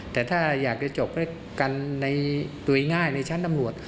แต่ถ้าอยากจะจบด้วยง่ายในชั้นตำรวจ